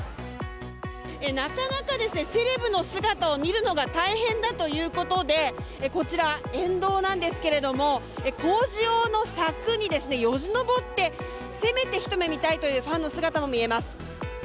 なかなかセレブの姿を見るのが大変だということでこちら沿道なんですけれども工事用の柵によじ登ってせめて、ひと目見たいというファンの姿も見えます。